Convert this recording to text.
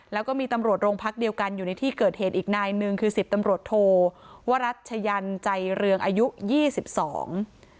แล้วก็มีตำรวจโรงพักเดียวกันอยู่ในที่เกิดเหตุอีกนายหนึ่งคือสิบตำรวจโทวรัชยันใจเรืองอายุยี่สิบสอง